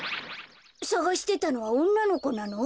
さがしてたのはおんなのこなの？